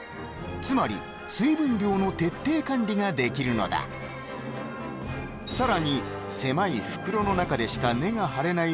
つまり水分量の徹底管理ができるのださらに狭い袋の中でしか根が張れない